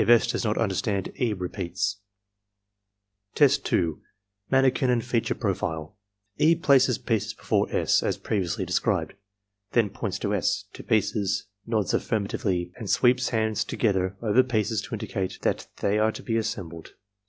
If S. does not understand, E. repeats. EXAMINER'S GUIDE 121 Test 2. — Manikin and Feature Profile E. places pieces before S. as previously described. Then points to S., to pieces, nods aflSrmatively, and sweeps hands together over pieces to indicate that they are to be assembled.